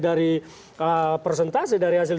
dari persentase dari hasil